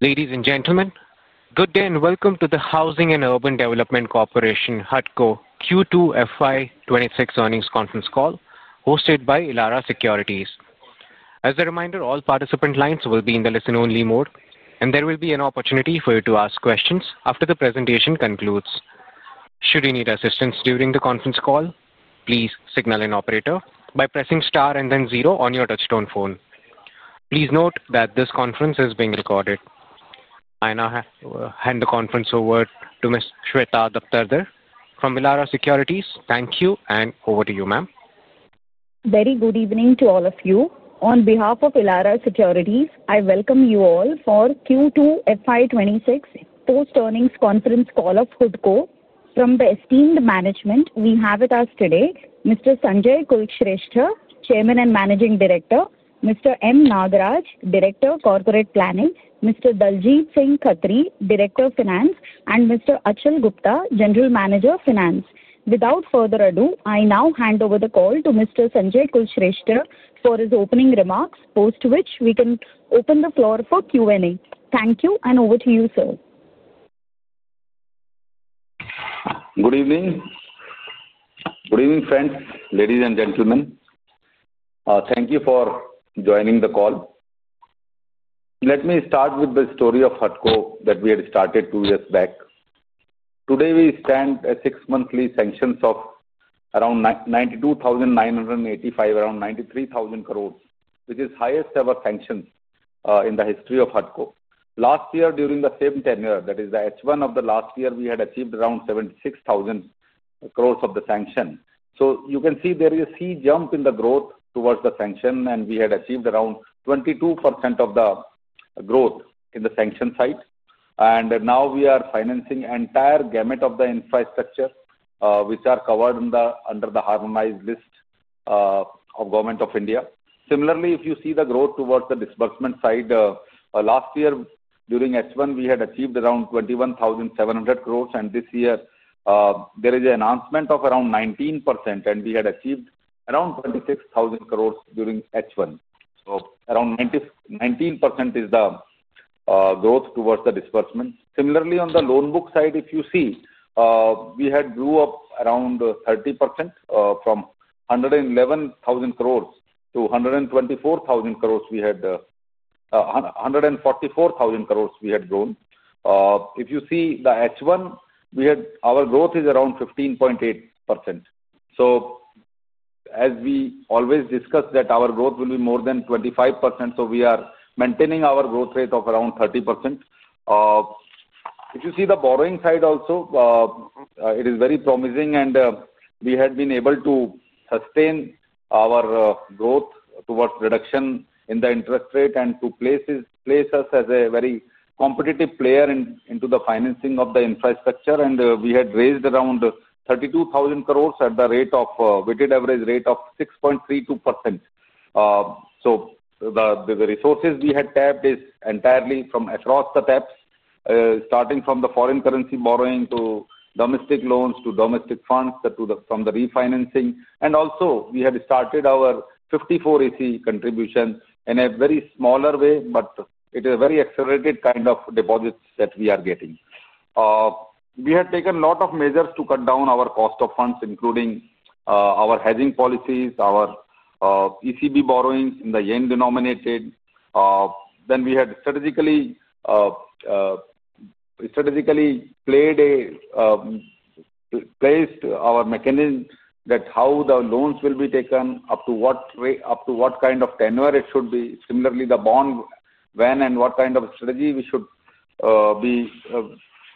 Ladies and gentlemen, good day and welcome to the Housing and Urban Development Corporation HUDCO Q2 FY 2026 earnings conference call, hosted by Elara Securities. As a reminder, all participant lines will be in the listen-only mode, and there will be an opportunity for you to ask questions after the presentation concludes. Should you need assistance during the conference call, please signal an operator by pressing star and then zero on your touch-tone phone. Please note that this conference is being recorded. I now hand the conference over to Ms. Shweta Daptardar from Elara Securities. Thank you, and over to you, ma'am. Very good evening to all of you. On behalf of Elara Securities, I welcome you all for Q2 FY 2026 post-earnings conference call of HUDCO. From the esteemed management, we have with us today Mr. Sanjay Kulshrestha, Chairman and Managing Director, Mr. M. Nagaraj, Director, Corporate Planning, Mr. Daljit Singh Khatri, Director, Finance, and Mr. Achal Gupta, General Manager, Finance. Without further ado, I now hand over the call to Mr. Sanjay Kulshrestha for his opening remarks, post which we can open the floor for Q&A. Thank you, and over to you, sir. Good evening. Good evening, friends, ladies and gentlemen. Thank you for joining the call. Let me start with the story of HUDCO that we had started two years back. Today, we stand at six monthly sanctions of around 92,985 crore, around 93,000 crore, which is the highest ever sanction in the history of HUDCO. Last year, during the same tenure, that is the H1 of the last year, we had achieved around 76,000 crore of the sanction. You can see there is a sea jump in the growth towards the sanction, and we had achieved around 22% of the growth in the sanction side. Now we are financing the entire gamut of the infrastructure which are covered under the harmonized list of Government of India. Similarly, if you see the growth towards the disbursement side, last year during H1, we had achieved around 21,700 crores, and this year there is an announcement of around 19%, and we had achieved around 26,000 crores during H1. Around 19% is the growth towards the disbursement. Similarly, on the loan book side, if you see, we had grew up around 30% from 111,000 crores to 124,000 crores. We had 144,000 crores we had grown. If you see the H1, our growth is around 15.8%. As we always discuss that our growth will be more than 25%, we are maintaining our growth rate of around 30%. If you see the borrowing side also, it is very promising, and we had been able to sustain our growth towards reduction in the interest rate and to place us as a very competitive player into the financing of the infrastructure. We had raised around 32,000 crore at the weighted average rate of 6.32%. The resources we had tapped are entirely from across the taps, starting from the foreign currency borrowing to domestic loans to domestic funds from the refinancing. Also, we had started our 54ec contributions in a very smaller way, but it is a very accelerated kind of deposits that we are getting. We had taken a lot of measures to cut down our cost of funds, including our hedging policies, our ECB borrowings in the yen-denominated. We had strategically placed our mechanism that how the loans will be taken, up to what kind of tenure it should be. Similarly, the bond, when and what kind of strategy we should be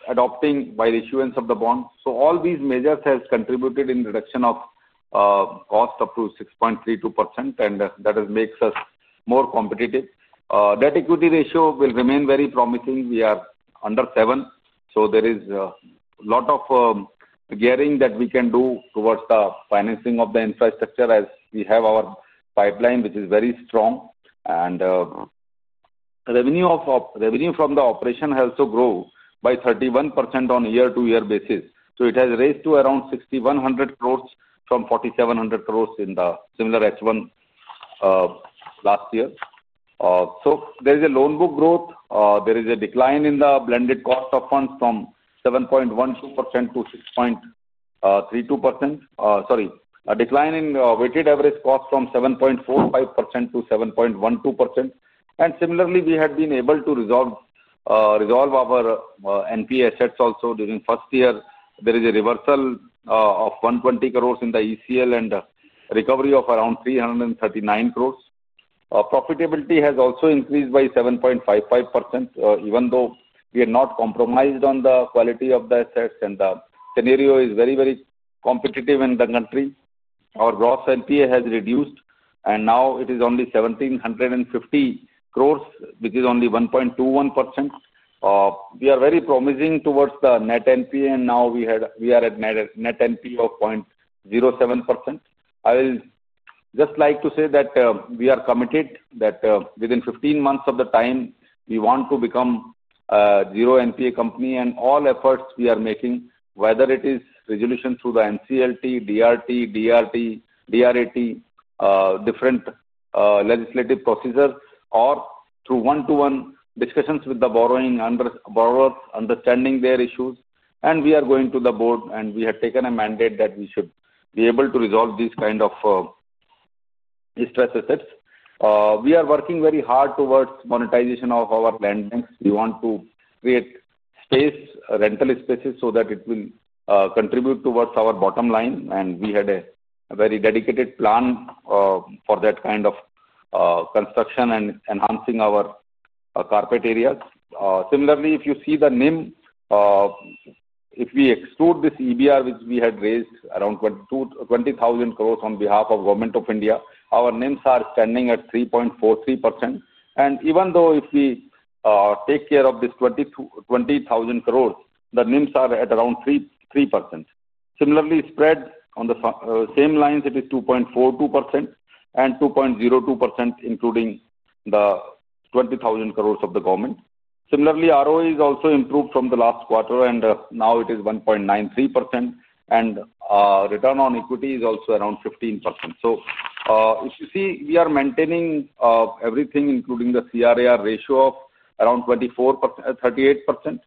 adopting by the issuance of the bond. All these measures have contributed in reduction of cost up to 6.32%, and that makes us more competitive. Debt-equity ratio will remain very promising. We are under 7, so there is a lot of gearing that we can do towards the financing of the infrastructure as we have our pipeline, which is very strong. Revenue from the operation has also grown by 31% on a year-to-year basis. It has raised to around 6,100 crore from 4,700 crore in the similar H1 last year. There is a loan book growth. There is a decline in the blended cost of funds from 7.12% to 6.32%. Sorry, a decline in weighted average cost from 7.45% to 7.12%. Similarly, we had been able to resolve our NP assets also during the first year. There is a reversal of 120 crore in the ECL and recovery of around 339 crore. Profitability has also increased by 7.55%, even though we are not compromised on the quality of the assets, and the scenario is very, very competitive in the country. Our gross NPA has reduced, and now it is only 1,750 crore, which is only 1.21%. We are very promising towards the net NPA, and now we are at net NPA of 0.07%. I would just like to say that we are committed that within 15 months of the time, we want to become a zero-NPA company, and all efforts we are making, whether it is resolution through the NCLT, DRT, DRAT, different legislative procedures, or through one-to-one discussions with the borrowers, understanding their issues. We are going to the board, and we have taken a mandate that we should be able to resolve these kinds of stress assets. We are working very hard towards monetization of our land banks. We want to create space, rental spaces, so that it will contribute towards our bottom line, and we had a very dedicated plan for that kind of construction and enhancing our carpet areas. Similarly, if you see the NIM, if we exclude this EBR, which we had raised around 20,000 crore on behalf of Government of India, our NIMs are standing at 3.43%. Even though if we take care of this 20,000 crore, the NIMs are at around 3%. Similarly, spread on the same lines, it is 2.42% and 2.02%, including the 20,000 crore of the government. Similarly, ROE is also improved from the last quarter, and now it is 1.93%, and return on equity is also around 15%. If you see, we are maintaining everything, including the CAR ratio of around 38%.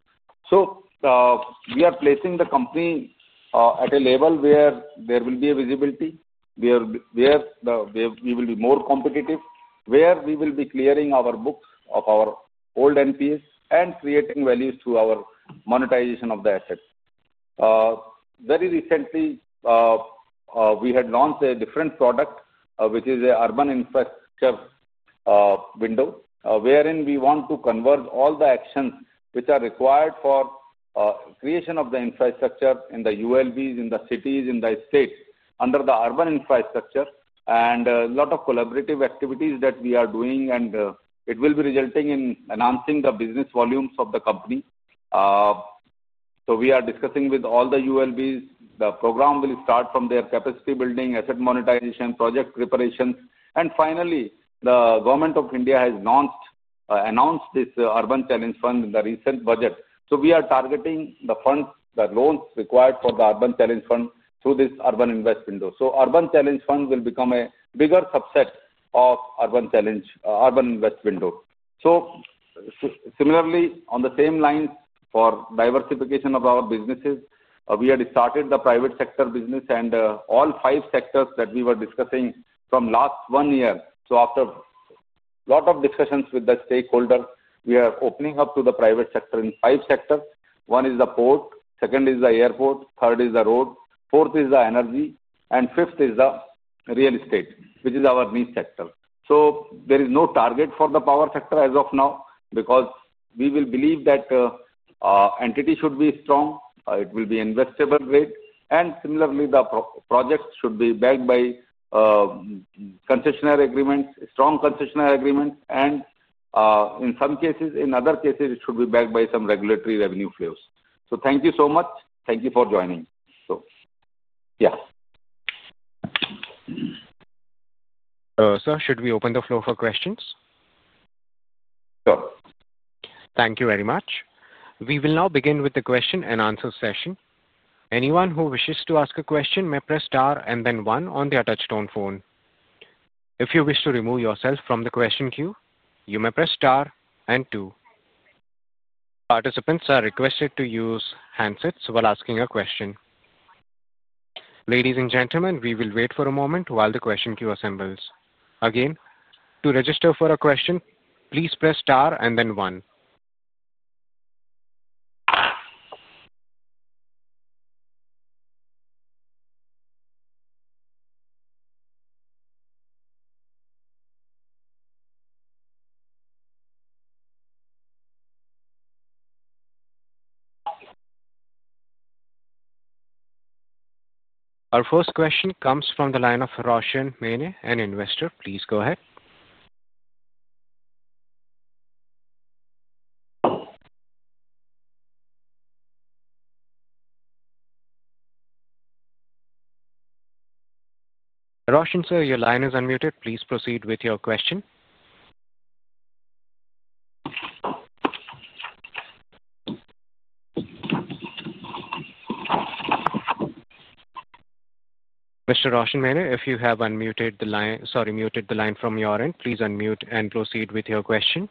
We are placing the company at a level where there will be visibility, where we will be more competitive, where we will be clearing our books of our old NPAs and creating values through our monetization of the assets. Very recently, we had launched a different product, which is an urban infrastructure window, wherein we want to convert all the actions which are required for creation of the infrastructure in the ULBs, in the cities, in the states under the urban infrastructure, and a lot of collaborative activities that we are doing, and it will be resulting in enhancing the business volumes of the company. We are discussing with all the ULBs. The program will start from their capacity building, asset monetization, project preparations, and finally, the Government of India has announced this Urban Challenge Fund in the recent budget. We are targeting the funds, the loans required for the Urban Challenge Fund through this Urban Invest Window. Urban Challenge Fund will become a bigger subset of Urban Challenge Urban Invest Window. Similarly, on the same lines for diversification of our businesses, we had started the private sector business in all five sectors that we were discussing from last one year. After a lot of discussions with the stakeholders, we are opening up to the private sector in five sectors. One is the port, second is the airport, third is the road, fourth is the energy, and fifth is the real estate, which is our niche sector. There is no target for the power sector as of now because we believe that entity should be strong, it will be investable rate, and similarly, the projects should be backed by concessionary agreements, strong concessionary agreements, and in some cases, in other cases, it should be backed by some regulatory revenue flows. Thank you so much. Thank you for joining. Yeah. Sir, should we open the floor for questions? Sure. Thank you very much. We will now begin with the question-and-answer session. Anyone who wishes to ask a question may press star and then one on their touchstone phone. If you wish to remove yourself from the question queue, you may press star and two. Participants are requested to use handsets while asking a question. Ladies and gentlemen, we will wait for a moment while the question queue assembles. Again, to register for a question, please press star and then one. Our first question comes from the line of Roshan Men, an investor. Please go ahead. Roshan, sir, your line is unmuted. Please proceed with your question. Mr. Roshan Men, if you have unmuted the line from your end, please unmute and proceed with your question.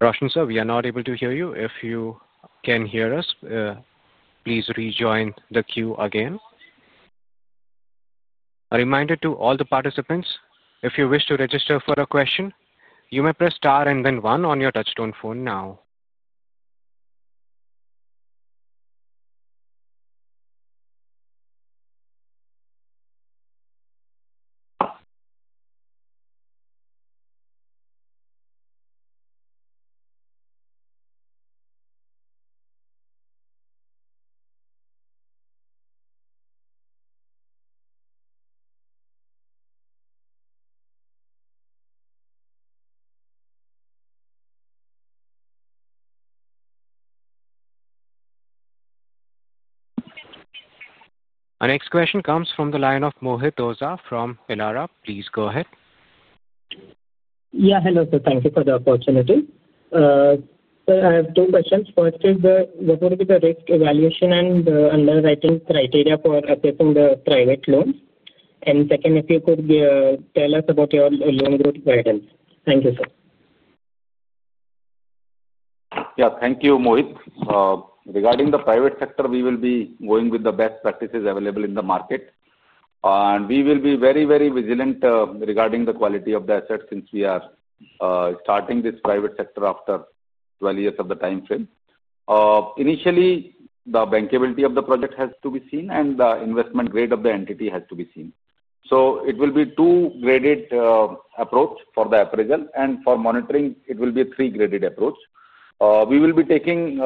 Roshan, sir, we are not able to hear you. If you can hear us, please rejoin the queue again. A reminder to all the participants, if you wish to register for a question, you may press star and then one on your touchstone phone now. Our next question comes from the line of Mohit Oza from Elara. Please go ahead. Yeah, hello, sir. Thank you for the opportunity. Sir, I have two questions. First is, what would be the risk evaluation and underwriting criteria for approving the private loan? And second, if you could tell us about your loan growth guidance. Thank you, sir. Yeah, thank you, Mohit. Regarding the private sector, we will be going with the best practices available in the market. We will be very, very vigilant regarding the quality of the assets since we are starting this private sector after 12 years of the time frame. Initially, the bankability of the project has to be seen, and the investment grade of the entity has to be seen. It will be a two-graded approach for the appraisal, and for monitoring, it will be a three-graded approach. We will be taking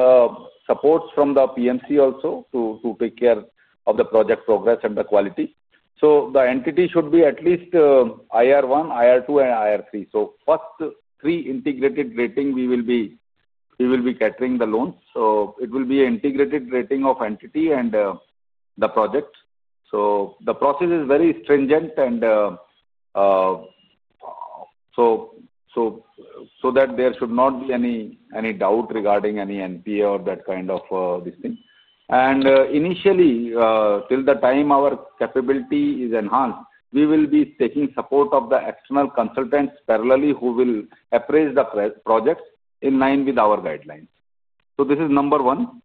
supports from the PMC also to take care of the project progress and the quality. The entity should be at least IR1, IR2, and IR3. First three integrated rating, we will be catering the loans. It will be an integrated rating of entity and the project. The process is very stringent so that there should not be any doubt regarding any NPA or that kind of this thing. Initially, till the time our capability is enhanced, we will be taking support of the external consultants parallelly who will appraise the project in line with our guidelines. This is number one.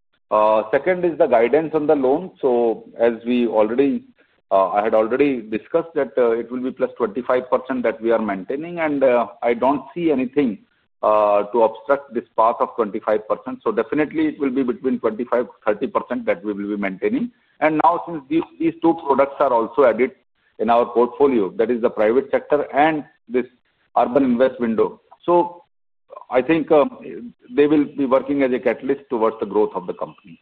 Second is the guidance on the loan. As we already discussed, it will be +25% that we are maintaining, and I do not see anything to obstruct this path of 25%. It will definitely be between 25%-30% that we will be maintaining. Now, since these two products are also added in our portfolio, that is the private sector and this Urban Invest Window, I think they will be working as a catalyst towards the growth of the company.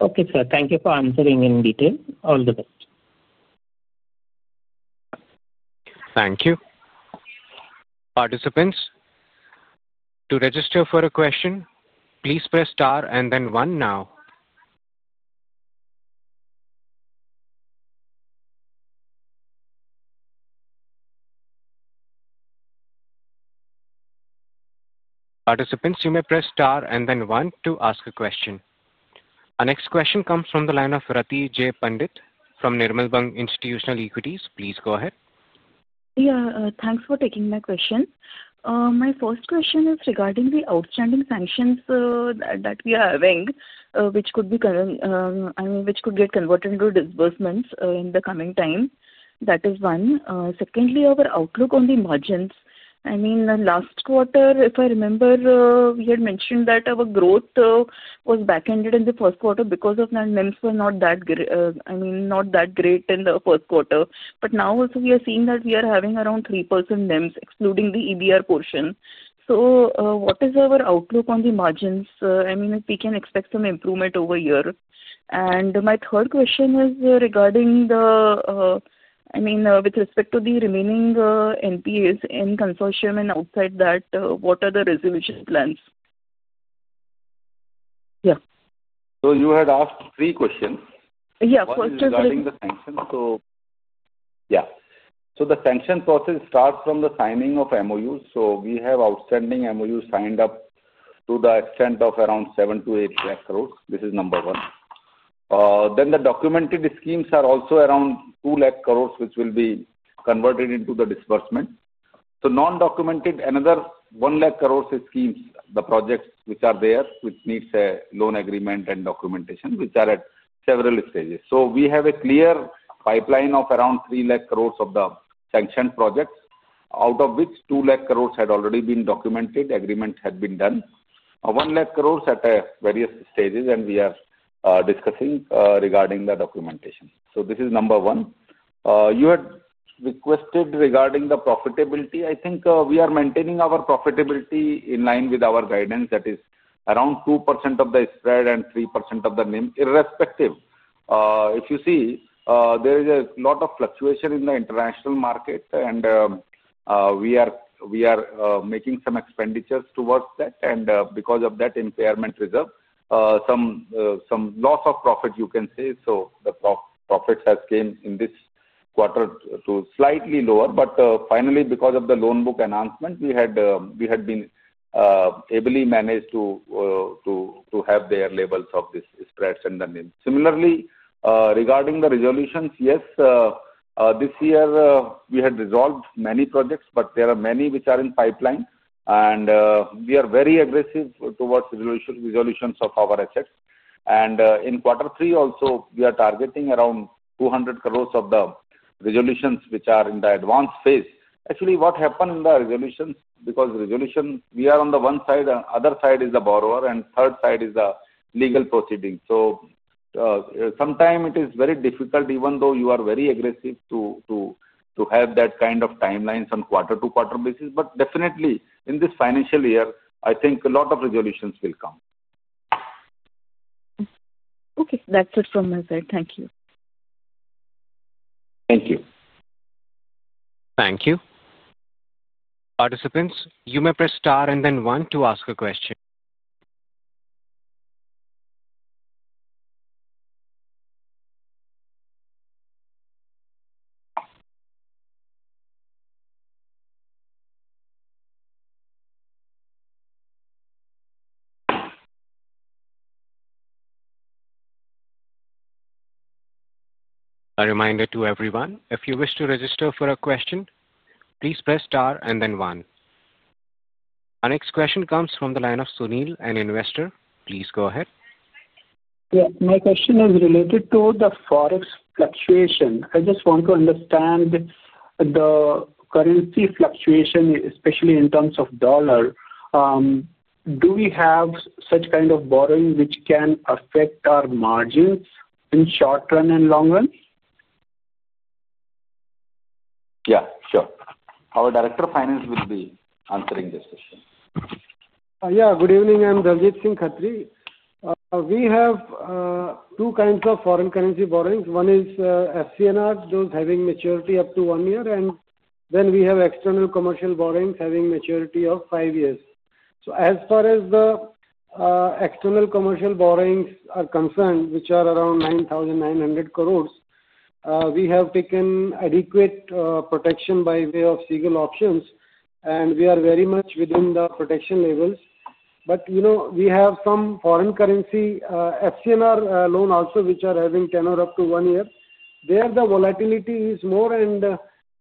Okay, sir. Thank you for answering in detail. All the best. Thank you. Participants, to register for a question, please press star and then one now. Participants, you may press star and then one to ask a question. Our next question comes from the line of Rati Pandit from Nirmal Bang Institutional Equities. Please go ahead. Yeah, thanks for taking my question. My first question is regarding the outstanding sanctions that we are having, which could be, I mean, which could get converted into disbursements in the coming time. That is one. Secondly, our outlook on the margins. I mean, last quarter, if I remember, we had mentioned that our growth was back-ended in the first quarter because the NIMs were not that, I mean, not that great in the first quarter. Now, also, we are seeing that we are having around 3% NIMs, excluding the EBR portion. What is our outlook on the margins? I mean, if we can expect some improvement over a year. My third question is regarding the, I mean, with respect to the remaining NPAs in consortium and outside that, what are the resolution plans? Yeah. You had asked three questions. Yeah, first is regarding the sanctions. Yeah. The sanctions process starts from the signing of MOUs. We have outstanding MOUs signed up to the extent of around 700 billion-800 billion. This is number one. The documented schemes are also around 200 billion, which will be converted into the disbursement. Non-documented, another 100 billion schemes, the projects which are there, which need a loan agreement and documentation, which are at several stages. We have a clear pipeline of around 300 billion of the sanctioned projects, out of which 200 billion have already been documented, agreement has been done. 100 billion at various stages, and we are discussing regarding the documentation. This is number one. You had requested regarding the profitability. I think we are maintaining our profitability in line with our guidance that is around 2% of the spread and 3% of the NIM, irrespective. If you see, there is a lot of fluctuation in the international market, and we are making some expenditures towards that, and because of that impairment reserve, some loss of profit, you can say. The profits have come in this quarter to slightly lower. Finally, because of the loan book announcement, we had been ably managed to have their labels of these spreads and the NIMs. Similarly, regarding the resolutions, yes, this year, we had resolved many projects, but there are many which are in pipeline, and we are very aggressive towards resolutions of our assets. In quarter three, also, we are targeting around 200 crore of the resolutions which are in the advanced phase. Actually, what happened in the resolutions because resolution, we are on the one side, other side is the borrower, and third side is the legal proceeding. Sometimes, it is very difficult, even though you are very aggressive to have that kind of timelines on quarter-to-quarter basis. Definitely, in this financial year, I think a lot of resolutions will come. Okay. That's it from my side. Thank you. Thank you. Thank you. Participants, you may press star and then one to ask a question. A reminder to everyone, if you wish to register for a question, please press star and then one. Our next question comes from the line of Sunil, an investor. Please go ahead. Yes, my question is related to the forex fluctuation. I just want to understand the currency fluctuation, especially in terms of dollar. Do we have such kind of borrowing which can affect our margins in short run and long run? Yeah, sure. Our Director, Finance will be answering this question. Yeah, good evening. I'm Daljit Khatri. We have two kinds of foreign currency borrowings. One is FCNR, those having maturity up to one year, and then we have external commercial borrowings having maturity of five years. As far as the external commercial borrowings are concerned, which are around 9,900 crore, we have taken adequate protection by way of single options, and we are very much within the protection levels. We have some foreign currency FCNR loan also, which are having tenor up to one year. There, the volatility is more, and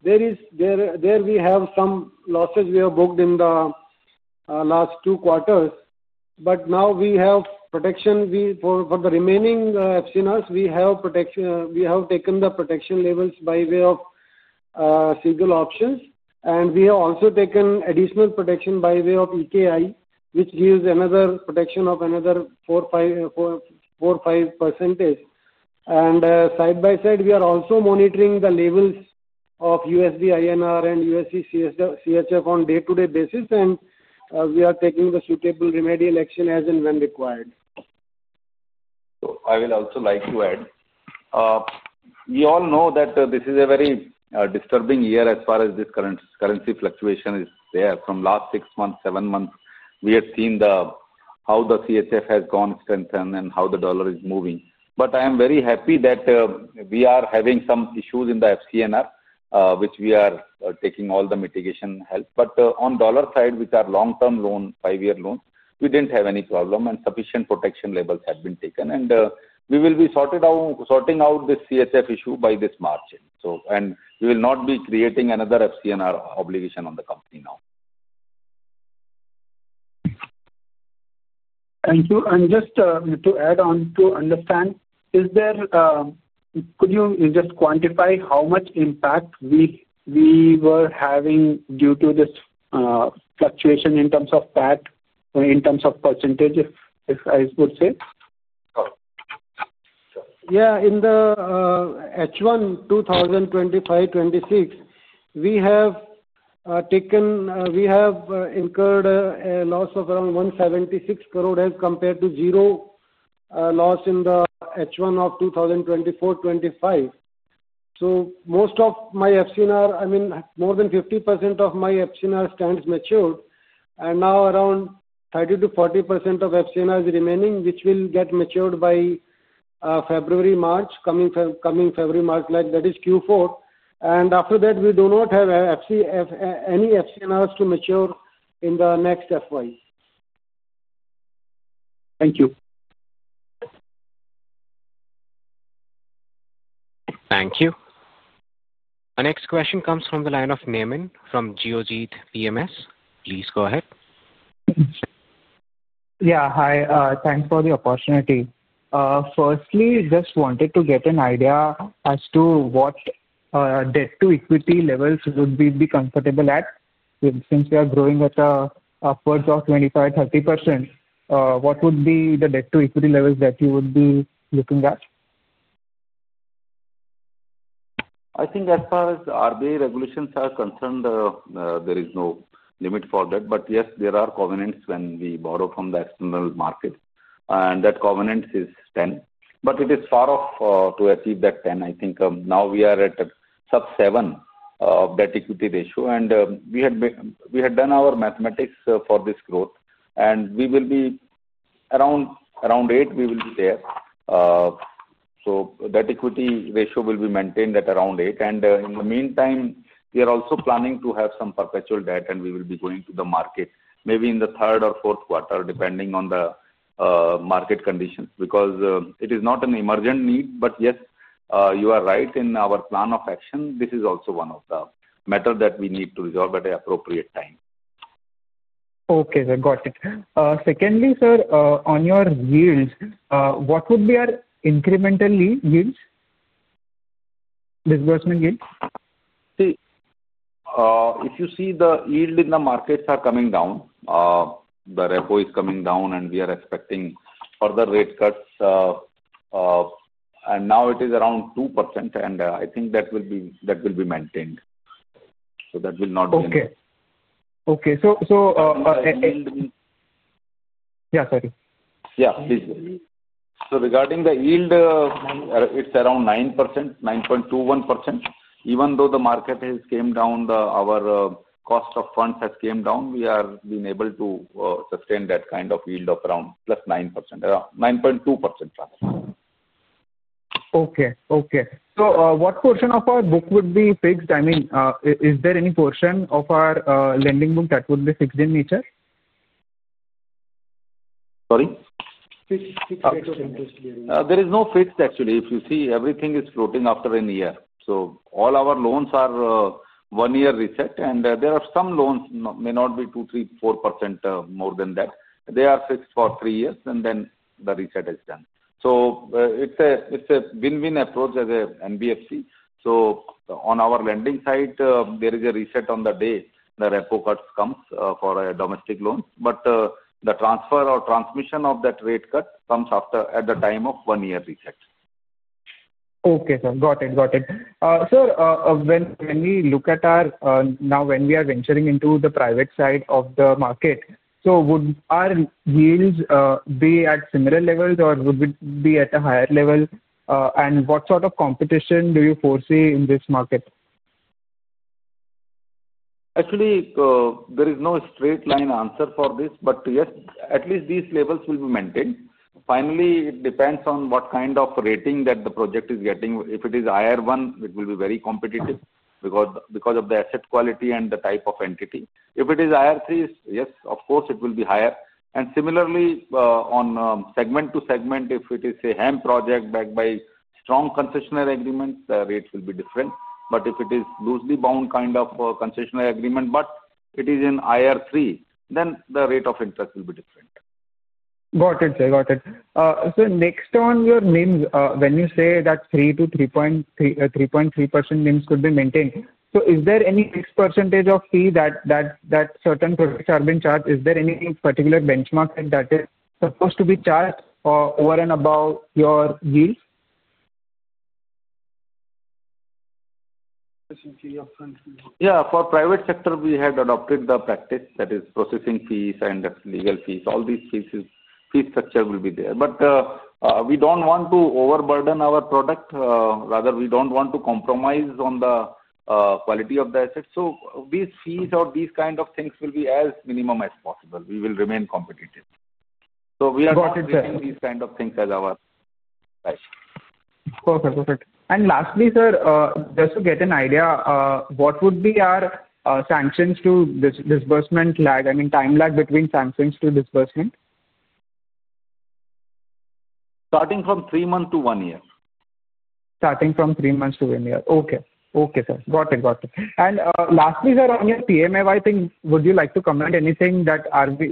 there we have some losses we have booked in the last two quarters. Now, we have protection for the remaining FCNRs. We have taken the protection levels by way of single options, and we have also taken additional protection by way of EKI, which gives another protection of another 4%-5%. We are also monitoring the levels of USD/INR and USD/CHF on a day-to-day basis, and we are taking the suitable remedial action as and when required. I would also like to add, we all know that this is a very disturbing year as far as this currency fluctuation is there. From the last six months, seven months, we had seen how the CHF has gone strengthened and how the dollar is moving. I am very happy that we are having some issues in the FCNR, which we are taking all the mitigation help. On the dollar side, which are long-term loans, five-year loans, we did not have any problem, and sufficient protection levels have been taken. We will be sorting out this CHF issue by this margin. We will not be creating another FCNR obligation on the company now. Thank you. Just to add on to understand, could you just quantify how much impact we were having due to this fluctuation in terms of PAT, in terms of percentage, I would say? Yeah. In the H1 2025-2026, we have incurred a loss of around 176 crore as compared to zero loss in the H1 of 2024-2025. Most of my FCNR, I mean, more than 50% of my FCNR stands matured, and now around 30%-40% of FCNR is remaining, which will get matured by February, March, coming February, March, that is Q4. After that, we do not have any FCNRs to mature in the next financial year. Thank you. Thank you. Our next question comes from the line of Nemin from GeoJit PMS. Please go ahead. Yeah, hi. Thanks for the opportunity. Firstly, just wanted to get an idea as to what debt-to-equity levels would we be comfortable at since we are growing at upwards of 25%-30%. What would be the debt-to-equity levels that you would be looking at? I think as far as RBA regulations are concerned, there is no limit for that. Yes, there are covenants when we borrow from the external markets, and that covenant is 10. It is far off to achieve that 10. I think now we are at sub-7 of that equity ratio. We had done our mathematics for this growth, and we will be around 8. We will be there. That equity ratio will be maintained at around 8. In the meantime, we are also planning to have some perpetual debt, and we will be going to the market maybe in the third or fourth quarter, depending on the market conditions. It is not an emergent need, but yes, you are right in our plan of action. This is also one of the matters that we need to resolve at an appropriate time. Okay, sir. Got it. Secondly, sir, on your yields, what would be our incremental yields, disbursement yields? See, if you see the yield in the markets are coming down, the repo is coming down, and we are expecting further rate cuts. Now it is around 2%, and I think that will be maintained. That will not be. Okay. Okay. So. And. Yeah, sorry. Yeah, please. Regarding the yield, it's around 9%, 9.21%. Even though the market has come down, our cost of funds has come down, we have been able to sustain that kind of yield of around +9%, 9.2%. Okay. Okay. So what portion of our book would be fixed? I mean, is there any portion of our lending book that would be fixed in nature? Sorry? Fixed rate of interest? There is no fixed, actually. If you see, everything is floating after a year. All our loans are one-year reset, and there are some loans, may not be 2%-3%-4% more than that. They are fixed for three years, and then the reset is done. It is a win-win approach as an NBFC. On our lending side, there is a reset on the day the repo cuts come for domestic loans. The transfer or transmission of that rate cut comes at the time of one-year reset. Okay, sir. Got it. Got it. Sir, when we look at our now, when we are venturing into the private side of the market, would our yields be at similar levels, or would it be at a higher level? What sort of competition do you foresee in this market? Actually, there is no straight line answer for this, but yes, at least these levels will be maintained. Finally, it depends on what kind of rating that the project is getting. If it is IR1, it will be very competitive because of the asset quality and the type of entity. If it is IR3, yes, of course, it will be higher. Similarly, on segment-to-segment, if it is a HEM project backed by strong concessionary agreements, the rates will be different. If it is loosely bound kind of concessionary agreement, but it is in IR3, then the rate of interest will be different. Got it, sir. Got it. Next, on your NIMs, when you say that 3%-3.3% NIMs could be maintained, is there any fixed percentage of fee that certain products are being charged? Is there any particular benchmark that is supposed to be charged over and above your yields? Yeah. For private sector, we had adopted the practice that is processing fees and legal fees. All these fee structures will be there. We do not want to overburden our product. Rather, we do not want to compromise on the quality of the assets. These fees or these kind of things will be as minimum as possible. We will remain competitive. We are not taking these kind of things as our life. Perfect. Perfect. Lastly, sir, just to get an idea, what would be our sanctions to disbursement lag, I mean, time lag between sanctions to disbursement? Starting from three months to one year. Starting from three months to one year. Okay. Okay, sir. Got it. Got it. Lastly, sir, on your PMAY thing, would you like to comment anything that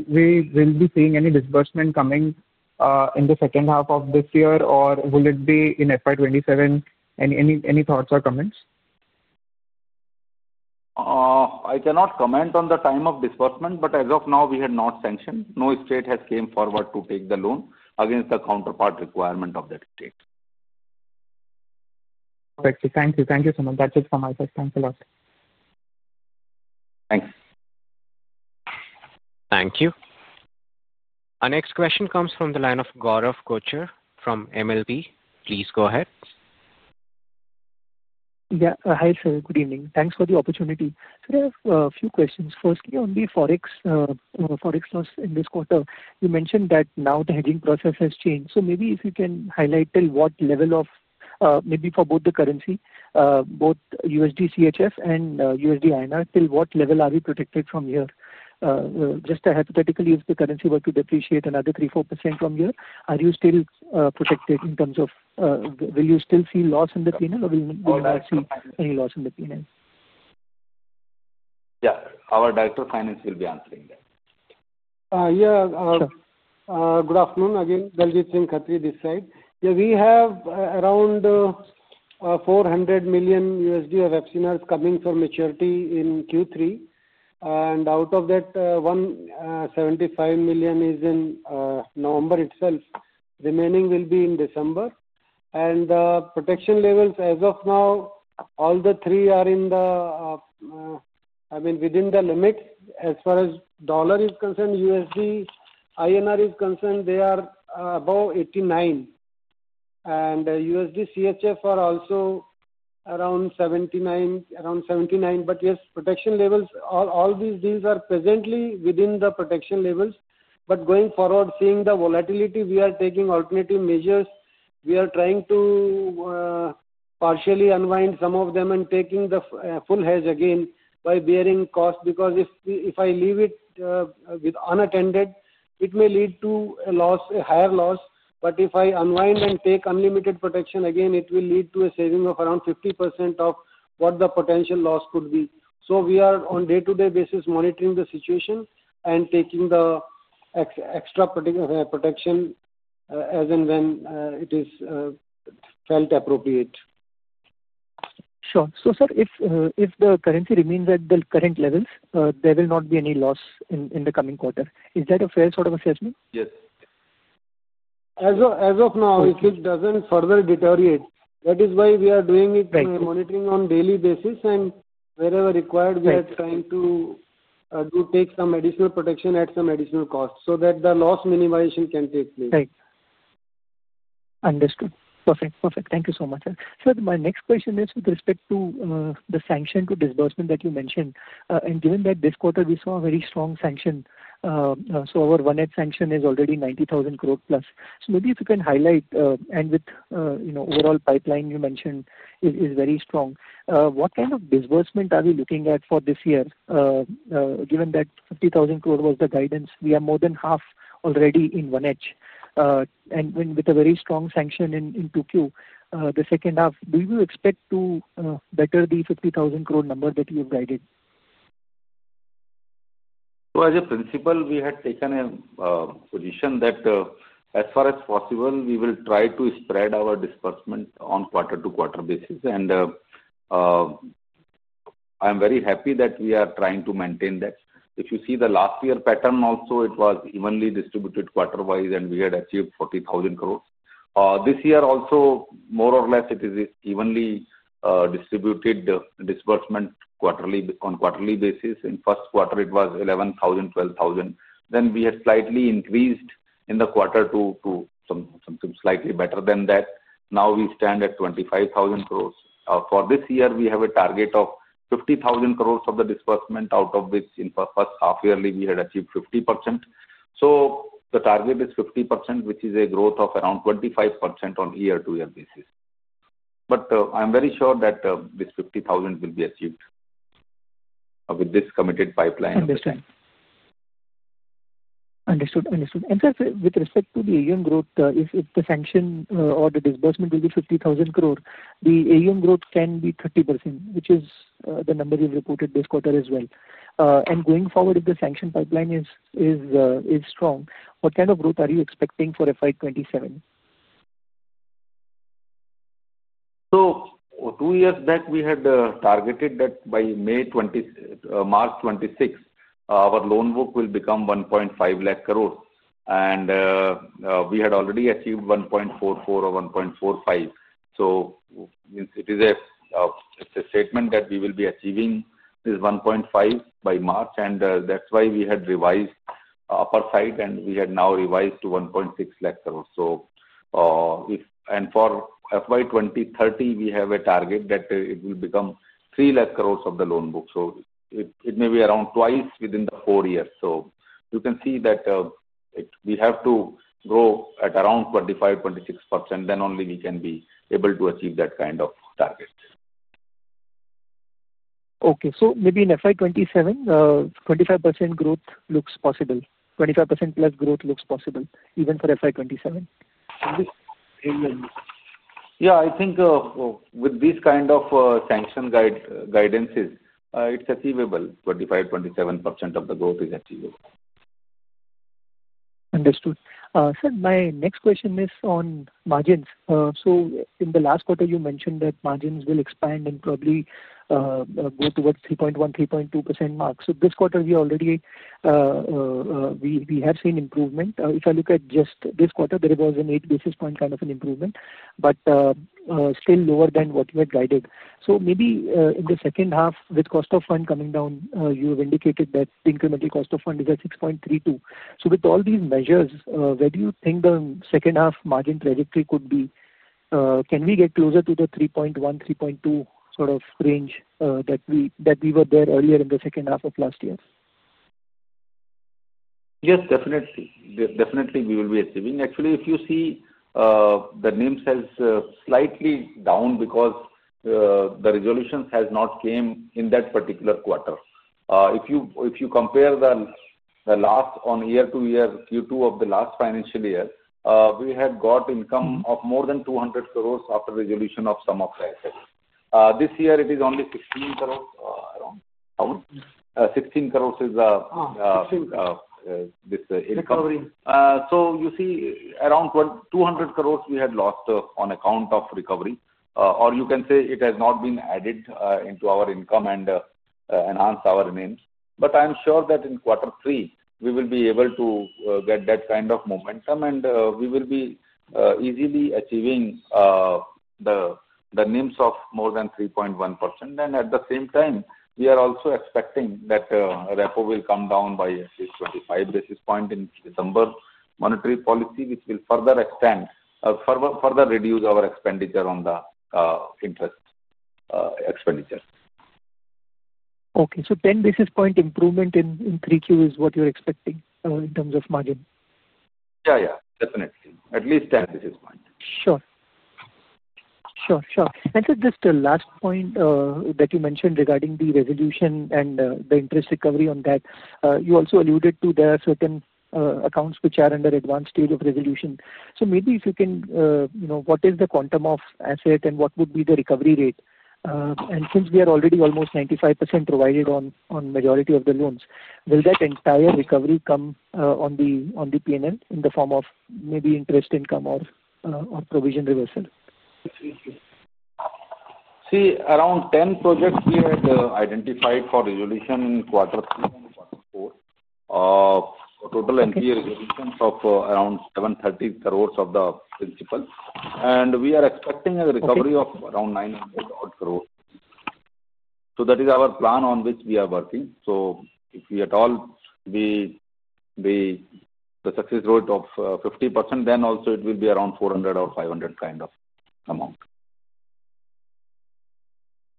we will be seeing any disbursement coming in the second half of this year, or will it be in FY 2027? Any thoughts or comments? I cannot comment on the time of disbursement, but as of now, we had no sanction. No state has come forward to take the loan against the counterpart requirement of that state. Perfect. Thank you. Thank you so much. That's it for my side. Thanks a lot. Thanks. Thank you. Our next question comes from the line of Gaurav Kochar from Millennium. Please go ahead. Yeah. Hi, sir. Good evening. Thanks for the opportunity. Sir, I have a few questions. Firstly, on the forex loss in this quarter, you mentioned that now the hedging process has changed. Maybe if you can highlight till what level of maybe for both the currency, both USD/CHF and USD/INR, till what level are we protected from here? Just hypothetically, if the currency were to depreciate another 3%-4% from here, are you still protected in terms of will you still see loss in the P&L, or will you not see any loss in the P&L? Yeah. Our Director, Finance will be answering that. Yeah. Good afternoon again, Daljit Khatri this side. Yeah, we have around $400 million of FCNRs coming for maturity in Q3. Out of that, $175 million is in November itself. Remaining will be in December. The protection levels, as of now, all three are in the, I mean, within the limits. As far as dollar is concerned, USD INR is concerned, they are above 89. USD CHF are also around 79. Yes, protection levels, all these deals are presently within the protection levels. Going forward, seeing the volatility, we are taking alternative measures. We are trying to partially unwind some of them and taking the full hedge again by bearing cost. Because if I leave it unattended, it may lead to a loss, a higher loss. If I unwind and take unlimited protection again, it will lead to a saving of around 50% of what the potential loss could be. We are, on a day-to-day basis, monitoring the situation and taking the extra protection as and when it is felt appropriate. Sure. Sir, if the currency remains at the current levels, there will not be any loss in the coming quarter. Is that a fair sort of assessment? Yes. As of now, if it does not further deteriorate, that is why we are doing it monitoring on a daily basis. Wherever required, we are trying to take some additional protection at some additional cost so that the loss minimization can take place. Right. Understood. Perfect. Perfect. Thank you so much, sir. Sir, my next question is with respect to the sanction to disbursement that you mentioned. Given that this quarter, we saw a very strong sanction. Our first half sanction is already INR+ 90,000 crores. Maybe if you can highlight, and with overall pipeline you mentioned is very strong, what kind of disbursement are we looking at for this year? Given that 50,000 crores was the guidance, we are more than half already in the first half. With a very strong sanction in Q2, the second half, do you expect to better the 50,000 crore number that you have guided? As a principle, we had taken a position that as far as possible, we will try to spread our disbursement on a quarter-to-quarter basis. I'm very happy that we are trying to maintain that. If you see the last year pattern, also it was evenly distributed quarter-wise, and we had achieved 40,000 crore. This year also, more or less, it is evenly distributed disbursement on a quarterly basis. In the first quarter, it was 11,000-12,000. Then we had slightly increased in the quarter to slightly better than that. Now we stand at 25,000 crore. For this year, we have a target of 50,000 crore of the disbursement, out of which in the first half-yearly, we had achieved 50%. The target is 50%, which is a growth of around 25% on a year-to-year basis. I'm very sure that this 50,000 crore will be achieved with this committed pipeline. Understood. And sir, with respect to the AUM growth, if the sanction or the disbursement will be 50,000 crore, the AUM growth can be 30%, which is the number you have reported this quarter as well. Going forward, if the sanction pipeline is strong, what kind of growth are you expecting for FY 2027? Two years back, we had targeted that by March 2026, our loan book will become 1.5 lakh crores. We had already achieved 1.44 or 1.45 lakh crores. It is a statement that we will be achieving this 1.5 lakh crores by March. That is why we had revised upper side, and we have now revised to 1.6 lakh crores. For FY 2030, we have a target that it will become 3 lakh crores of the loan book. It may be around twice within the four years. You can see that we have to grow at around 25%-26%, then only we can be able to achieve that kind of target. Okay. Maybe in FY 2027, 25% growth looks possible. 25% plus growth looks possible, even for FY 2027. Yeah. I think with these kind of sanction guidances, it's achievable. 25%-27% of the growth is achievable. Understood. Sir, my next question is on margins. In the last quarter, you mentioned that margins will expand and probably go towards 3.1%-3.2% marks. This quarter, we already have seen improvement. If I look at just this quarter, there was an eight basis point kind of an improvement, but still lower than what you had guided. Maybe in the second half, with cost of fund coming down, you have indicated that the incremental cost of fund is at 6.32. With all these measures, what do you think the second half margin trajectory could be? Can we get closer to the 3.1%-3.2% sort of range that we were there earlier in the second half of last year? Yes, definitely. Definitely, we will be achieving. Actually, if you see the NIMs has slightly down because the resolution has not come in that particular quarter. If you compare the last on year-to-year Q2 of the last financial year, we had got income of more than 200 crore after resolution of some of the assets. This year, it is only 16 crore around. 16 crore is the. Recovery. You see, around 200 crore we had lost on account of recovery. Or you can say it has not been added into our income and enhanced our NIMs. I am sure that in quarter three, we will be able to get that kind of momentum, and we will be easily achieving the NIMs of more than 3.1%. At the same time, we are also expecting that repo will come down by at least 25 basis points in December. Monetary policy, which will further extend, further reduce our expenditure on the interest expenditure. Okay. So 10 basis point improvement in Q3 is what you're expecting in terms of margin? Yeah. Yeah. Definitely. At least 10 basis points. Sure. Sure. And sir, just the last point that you mentioned regarding the resolution and the interest recovery on that, you also alluded to there are certain accounts which are under advanced stage of resolution. Maybe if you can, what is the quantum of asset and what would be the recovery rate? Since we are already almost 95% provided on majority of the loans, will that entire recovery come on the P&L in the form of maybe interest income or provision reversal? See, around 10 projects we had identified for resolution in quarter three and quarter four. Total NPA resolution of around 730 crore of the principal. And we are expecting a recovery of around 900 crore. That is our plan on which we are working. If we at all be the success rate of 50%, then also it will be around 400 crore-500 crore kind of amount.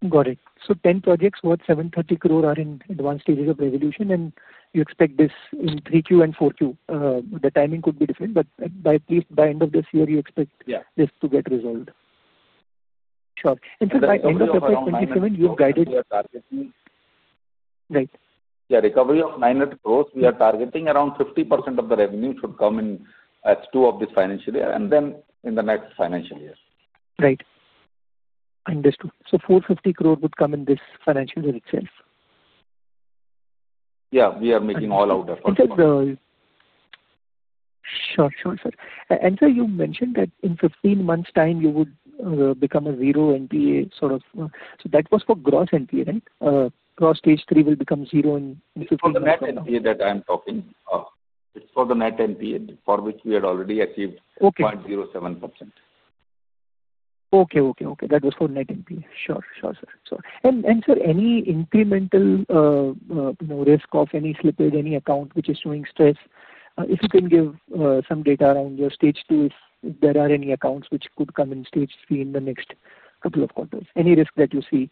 Got it. So 10 projects worth 730 crore are in advanced stages of resolution, and you expect this in Q3 and Q4. The timing could be different, but at least by end of this year, you expect this to get resolved. Sure. And sir, by end of FY 2027, you've guided. We are targeting. Right. Yeah. Recovery of 900 crore, we are targeting around 50% of the revenue should come in at two of this financial year and then in the next financial year. Right. Understood. So 450 crore would come in this financial year itself. Yeah. We are making all-out efforts. Sure. Sure, sir. And sir, you mentioned that in 15 months' time, you would become a zero NPA sort of. That was for gross NPA, right? Gross stage three will become zero in 15 months. For net NPA that I'm talking, it's for the net NPA for which we had already achieved 0.07%. Okay. Okay. Okay. That was for net NPA. Sure. Sure, sir. Sure. Sir, any incremental risk of any slippage, any account which is showing stress? If you can give some data around your stage two, if there are any accounts which could come in stage three in the next couple of quarters. Any risk that you see?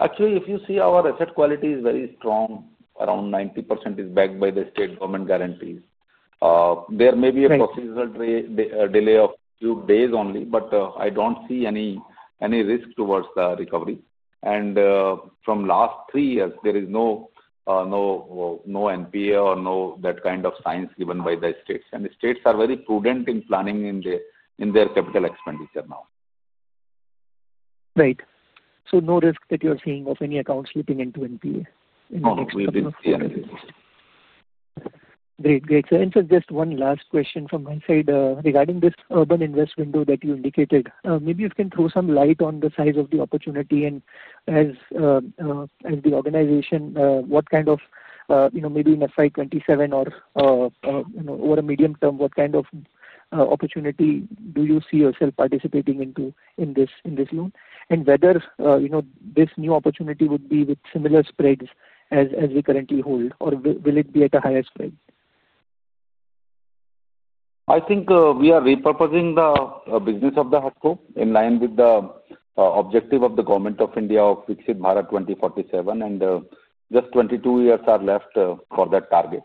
Actually, if you see, our asset quality is very strong. Around 90% is backed by the state government guarantees. There may be a provisional delay of a few days only, but I do not see any risk towards the recovery. From last three years, there is no NPA or no that kind of signs given by the states. The states are very prudent in planning in their capital expenditure now. Right. So no risk that you are seeing of any accounts slipping into NPA in the next couple of quarters? No. We are not. Great. Great. Sir, and sir, just one last question from my side regarding this Urban Invest Window that you indicated. Maybe you can throw some light on the size of the opportunity and as the organization, what kind of, maybe in FY 2027 or over a medium term, what kind of opportunity do you see yourself participating in this loan? Whether this new opportunity would be with similar spreads as we currently hold, or will it be at a higher spread? I think we are repurposing the business of the HUDCO in line with the objective of the Government of India of Viksit Bharat 2047. Just 22 years are left for that target.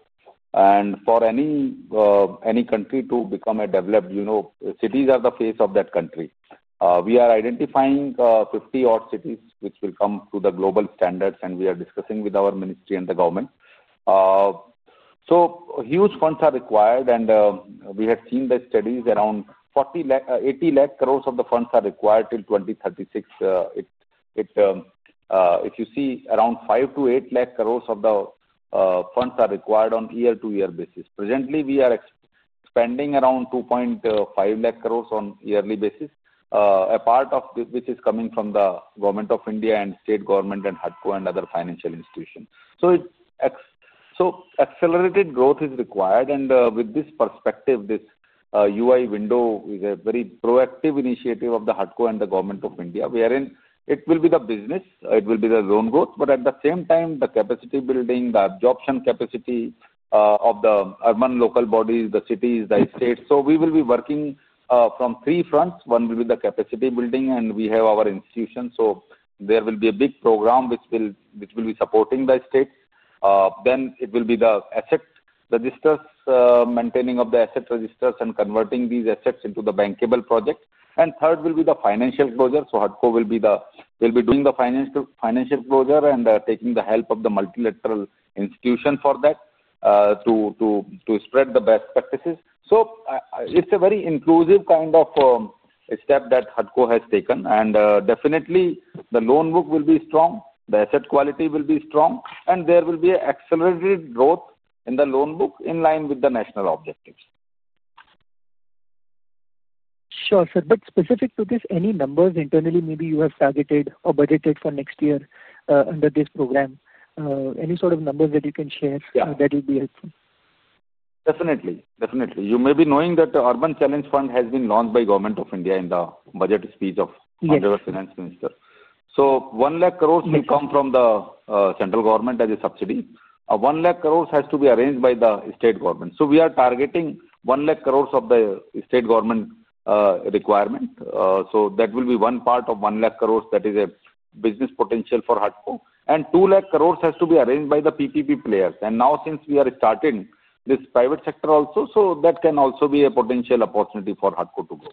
For any country to become a developed city, you know, cities are the face of that country. We are identifying 50 odd cities which will come to the global standards, and we are discussing with our ministry and the government. Huge funds are required, and we had seen the studies around 8 trillion of the funds are required till 2036. If you see, around 500 billion-800 billion of the funds are required on a year-to-year basis. Presently, we are expanding around 250 billion on a yearly basis, a part of which is coming from the Government of India and state government and HUDCO and other financial institutions. Accelerated growth is required. With this perspective, this UI window is a very proactive initiative of HUDCO and the Government of India, wherein it will be the business, it will be the loan growth, but at the same time, the capacity building, the absorption capacity of the urban local bodies, the cities, the states. We will be working from three fronts. One will be the capacity building, and we have our institutions. There will be a big program which will be supporting the states. It will be the asset registers, maintaining of the asset registers and converting these assets into the bankable project. Third will be the financial closure. HUDCO will be doing the financial closure and taking the help of the multilateral institution for that to spread the best practices. It is a very inclusive kind of step that HUDCO has taken. Definitely, the loan book will be strong, the asset quality will be strong, and there will be an accelerated growth in the loan book in line with the national objectives. Sure, sir. Specific to this, any numbers internally maybe you have targeted or budgeted for next year under this program? Any sort of numbers that you can share that will be helpful? Definitely. Definitely. You may be knowing that the Urban Challenge Fund has been launched by the Government of India in the budget speech of under the finance minister. 1 lakh crore will come from the central government as a subsidy. 1 lakh crore has to be arranged by the state government. We are targeting 1 lakh crore of the state government requirement. That will be one part of 1 lakh crore that is a business potential for HUDCO. 2 lakh crore has to be arranged by the PPP players. Now, since we are starting this private sector also, that can also be a potential opportunity for HUDCO to grow.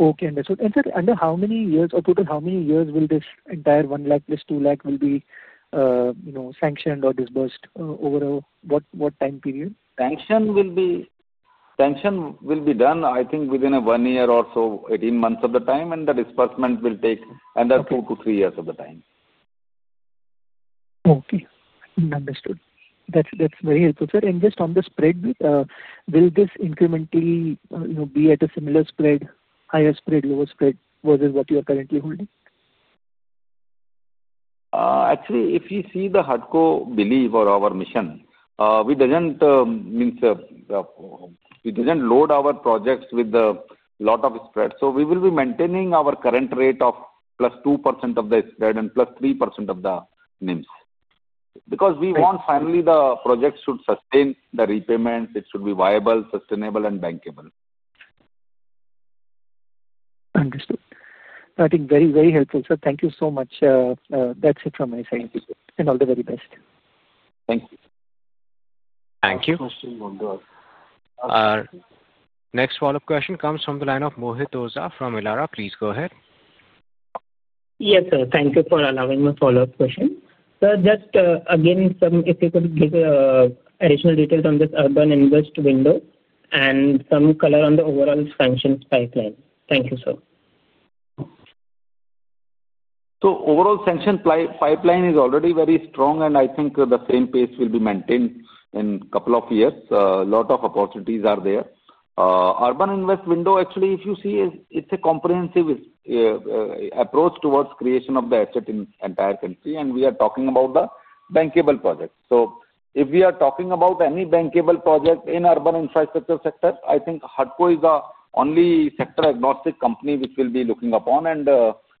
Okay. Sir, under how many years or total how many years will this entire 1 lakh + 2 lakh be sanctioned or disbursed over what time period? Sanction will be done, I think, within one year or so, 18 months of the time. The disbursement will take another two to three years of the time. Okay. Understood. That is very helpful, sir. Just on the spread, will this incrementally be at a similar spread, higher spread, lower spread versus what you are currently holding? Actually, if you see, the HUDCO belief or our mission, we doesn't load our projects with a lot of spread. So we will be maintaining our current rate of +2% of the spread and +3% of the NIMs. Because we want finally the projects should sustain the repayment. It should be viable, sustainable, and bankable. Understood. I think very, very helpful, sir. Thank you so much. That is it from my side. All the very best. Thank you. Thank you. Next follow-up question comes from the line of Mohit Oza from Elara. Please go ahead. Yes, sir. Thank you for allowing me a follow-up question. Sir, just again, if you could give additional details on this Urban Invest Window and some color on the overall sanctions pipeline. Thank you, sir. Overall sanctions pipeline is already very strong, and I think the same pace will be maintained in a couple of years. A lot of opportunities are there. Urban Invest Window, actually, if you see, it's a comprehensive approach towards creation of the asset in the entire country. We are talking about the bankable projects. If we are talking about any bankable project in urban infrastructure sector, I think HUDCO is the only sector-agnostic company which will be looking upon.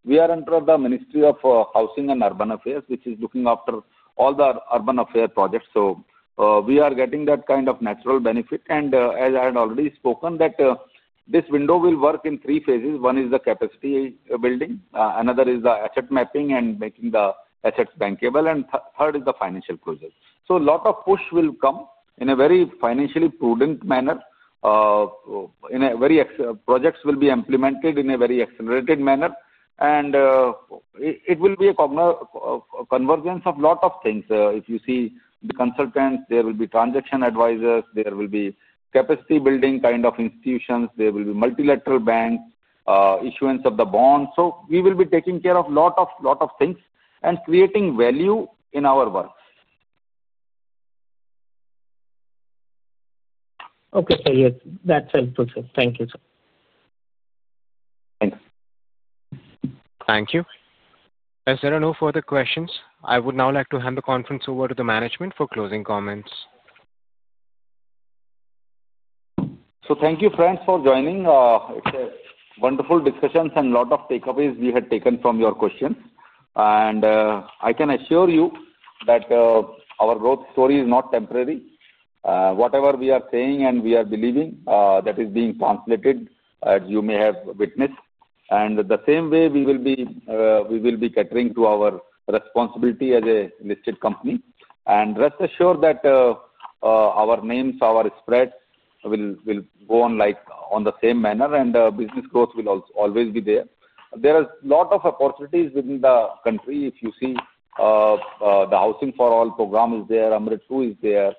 We are under the Ministry of Housing and Urban Affairs, which is looking after all the urban affair projects. We are getting that kind of natural benefit. As I had already spoken, this window will work in three phases. One is the capacity building, another is the asset mapping and making the assets bankable, and third is the financial closure. A lot of push will come in a very financially prudent manner. Projects will be implemented in a very accelerated manner. It will be a convergence of a lot of things. If you see, the consultants, there will be transaction advisors, there will be capacity-building kind of institutions, there will be multilateral banks, issuance of the bonds. We will be taking care of a lot of things and creating value in our work. Okay, sir. Yes, that's helpful, sir. Thank you, sir. Thanks. Thank you. Sir, no further questions. I would now like to hand the conference over to the management for closing comments. Thank you, friends, for joining. It is a wonderful discussion and a lot of takeaways we had taken from your questions. I can assure you that our growth story is not temporary. Whatever we are saying and we are believing, that is being translated as you may have witnessed. In the same way, we will be catering to our responsibility as a listed company. Rest assured that our names, our spreads will go on in the same manner, and business growth will always be there. There are a lot of opportunities within the country. If you see, the Housing for All program is there, AMRUT 2.0 is there.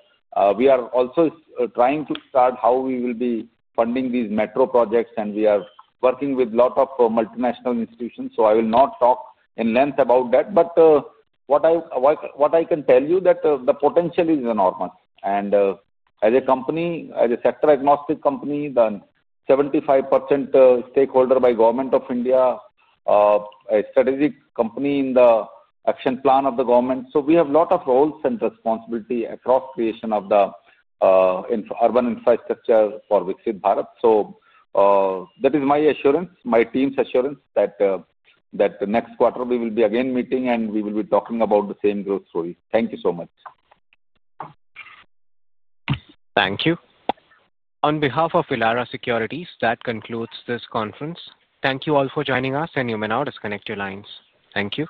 We are also trying to start how we will be funding these metro projects, and we are working with a lot of multinational institutions. I will not talk in length about that. What I can tell you is that the potential is enormous. As a company, as a sector-agnostic company, the 75% stakeholder by Government of India, a strategic company in the action plan of the government, we have a lot of roles and responsibility across creation of the urban infrastructure for Viksit Bharat. That is my assurance, my team's assurance that next quarter we will be again meeting and we will be talking about the same growth story. Thank you so much. Thank you. On behalf of Elara Securities, that concludes this conference. Thank you all for joining us, and you may now disconnect your lines. Thank you.